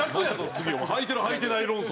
次お前はいてるはいてない論争。